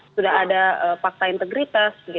sudah ada fakta integritas